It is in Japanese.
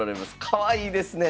かわいいですね！